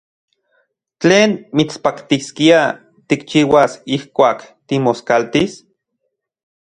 ¿Tlen mitspaktiskia tikchiuas ijkuak timoskaltis?